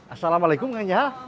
assalamualaikum kan ya